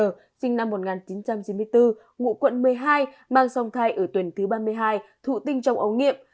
trên năm một nghìn chín trăm chín mươi bốn ngụ quận một mươi hai mang xong thai ở tuần thứ ba mươi hai thụ tinh trong ấu nghiệp